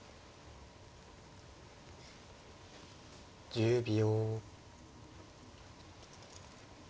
１０秒。